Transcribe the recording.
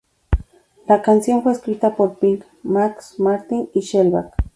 La canción fue escrita por Pink, Max Martin y Shellback.